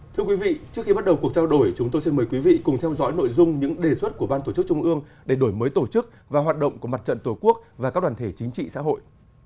thưa quý vị trước khi bắt đầu cuộc trao đổi chúng tôi xin mời quý vị cùng theo dõi nội dung những đề xuất của ban tổ chức trung ương để đổi mới tổ chức và hoạt động của mặt trận tổ quốc và các đoàn thể chính trị xã hội